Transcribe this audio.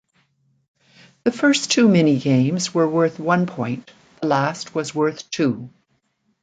The first two mini-games were worth one point, the last one was worth two.